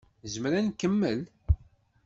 Nezmer ad nkemmel?